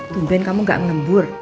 tumben kamu gak ngembur